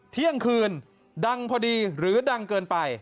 เที่ยงคืนดังพอดีหรือดังเกินไป